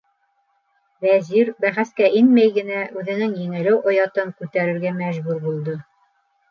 Вәзир, бәхәскә инмәй генә, үҙенең еңелеү оятын күтәрергә мәжбүр булды.